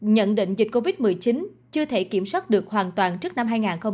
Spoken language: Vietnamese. nhận định dịch covid một mươi chín chưa thể kiểm soát được hoàn toàn trước năm hai nghìn hai mươi